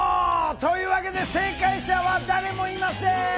というわけで正解者は誰もいません！